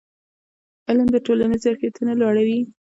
علم د ټولنې ظرفیتونه لوړوي.